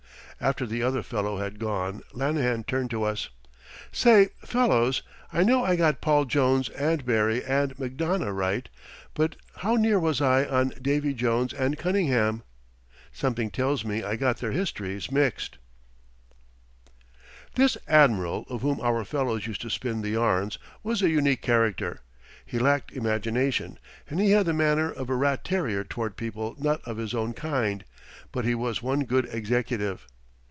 After the other fellow had gone Lanahan turned to us. "Say, fellows, I know I got Paul Jones and Barry and McDonough right, but how near was I on Davey Jones and Conyngham? Something tells me I got their histories mixed." This admiral, of whom our fellows used to spin the yarns, was a unique character. He lacked imagination, and he had the manner of a rat terrier toward people not of his own kind; but he was one good executive.